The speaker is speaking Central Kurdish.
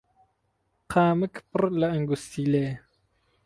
قامک پڕ لە ئەنگوستیلە